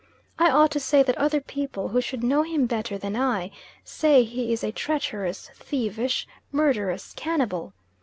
I ought to say that other people, who should know him better than I, say he is a treacherous, thievish, murderous cannibal.